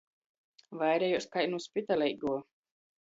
Vairejuos kai nu spitaleiguo.